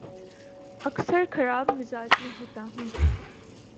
اکثر خراب مزاج میں ہوتا ہوں